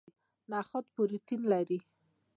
نخود پروتین لري